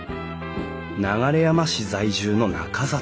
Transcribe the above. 流山市在住の中里さん。